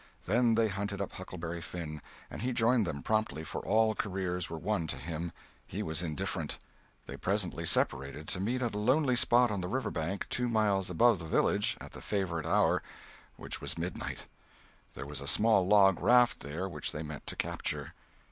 Then they hunted up Huckleberry Finn, and he joined them promptly, for all careers were one to him; he was indifferent. They presently separated to meet at a lonely spot on the river bank two miles above the village at the favorite hour—which was midnight. There was a small log raft there which they meant to capture.